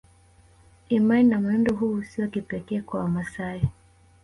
Imani na mwenendo huu si wa kipekee kwa Wamasai